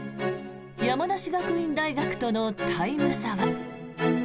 山梨学院大学とのタイム差は。